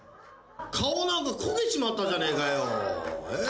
顔なんかこけちまったじゃねえかよ。